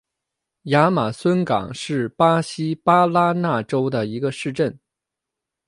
亚马孙港是巴西巴拉那州的一个市镇。